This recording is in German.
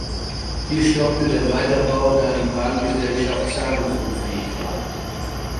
Hier stockte der Weiterbau, da die Bahngesellschaft zahlungsunfähig war.